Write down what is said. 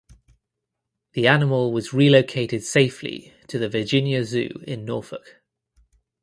The animal was relocated safely to the Virginia Zoo in Norfolk.